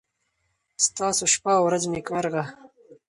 ستاسو شپه او ورځ نېکمرغه.